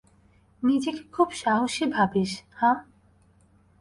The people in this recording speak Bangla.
নিজেকে খুব সাহসী ভাবিস, হাহ?